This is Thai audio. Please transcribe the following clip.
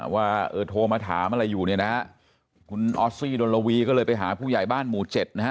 ว่าเออโทรมาถามอะไรอยู่เนี่ยนะฮะคุณออสซี่ดนรวีก็เลยไปหาผู้ใหญ่บ้านหมู่เจ็ดนะฮะ